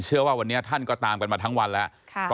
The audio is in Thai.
เชื่อว่าวันนี้ท่านก็ตามกันมาทั้งวันแล้ว